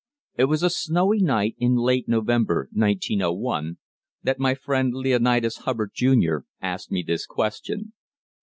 It was a snowy night in late November, 1901, that my friend, Leonidas Hubbard, Jr., asked me this question.